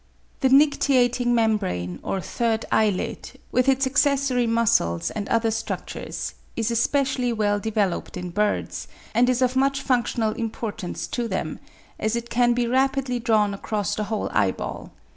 The nictitating membrane, or third eyelid, with its accessory muscles and other structures, is especially well developed in birds, and is of much functional importance to them, as it can be rapidly drawn across the whole eye ball.